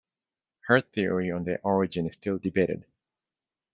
Her theory on their origin is still debated.